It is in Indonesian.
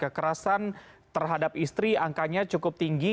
kekerasan terhadap istri angkanya cukup tinggi